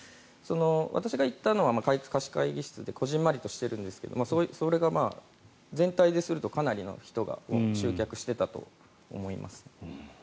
私が行ったのは貸し会議室でこぢんまりとしているんですがそれが全体でするとかなりの人を集客していたと思います。